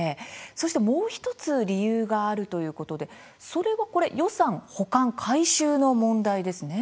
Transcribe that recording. そしてもう１つ理由があるということでそれが、これ予算、保管、回収の問題ですね。